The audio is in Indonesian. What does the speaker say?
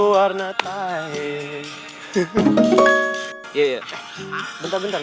bentar bentar bentar